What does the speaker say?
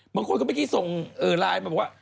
บางคนก็เมื่อกี้ส่งไลน์มาบอกว่า